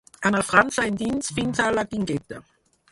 Anar França endins fins a la Guingueta.